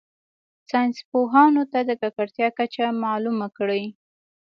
ساینس پوهانو ته د ککړتیا کچه معلومه کړي.